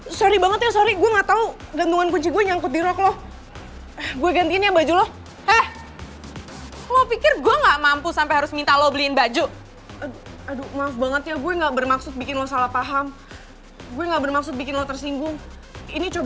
eh sorry banget ya sorry gue gak tau gantungan kunci gue nyangkut di rock lo